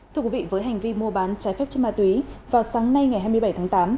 thưa quý vị với hành vi mua bán trái phép chất ma túy vào sáng nay ngày hai mươi bảy tháng tám